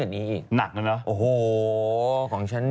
โอลี่คัมรี่ยากที่ใครจะตามทันโอลี่คัมรี่ยากที่ใครจะตามทัน